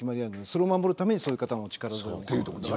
それを守るためにそういう方がいる。